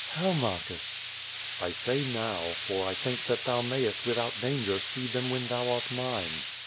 "How, Marcus?" "I say now, for I think that tliou mayest without danger see them when thou art mine.